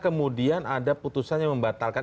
kemudian ada putusannya membatalkan